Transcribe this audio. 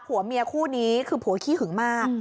ผัวเมียคู่นี้คือผัวขี้หึงมาก